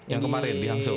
yang kemarin di hangzhou